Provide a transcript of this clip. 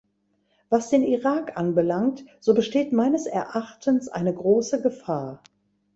Was den Irak anbelangt, so besteht meines Erachtens eine große Gefahr.